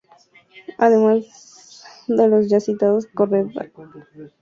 Además de los ya citados corredera y sonda electrónicas aparecieron